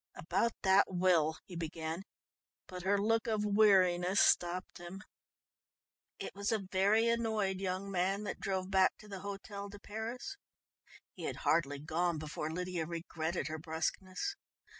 "About that will " he began, but her look of weariness stopped him. It was a very annoyed young man that drove back to the Hôtel de Paris. He had hardly gone before Lydia regretted her brusqueness.